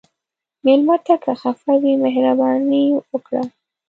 مېلمه ته که خفه وي، مهرباني وکړه.